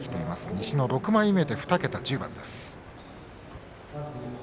西の６枚目で２桁１０番です。